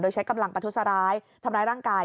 โดยใช้กำลังประทุษร้ายทำร้ายร่างกาย